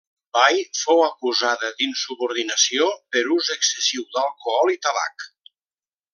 Bai fou acusada d'insubordinació per ús excessiu d'alcohol i tabac.